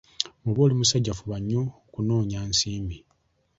Bw’oba oli musajja fuba nnyo okunoonya nsimbi.